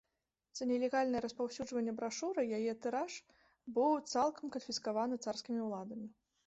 За нелегальнае распаўсюджванне брашуры яе тыраж быў цалкам канфіскаваны царскімі ўладамі.